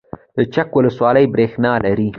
د چک ولسوالۍ بریښنا لري